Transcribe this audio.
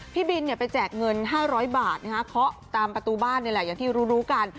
พี่บินไปแจกเงิน๕๐๐บาทเคาะตามประตูบ้านนี่แหละอย่างที่รู้กัน